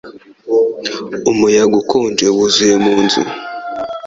Umuyaga ukonje wuzuye mu nzu.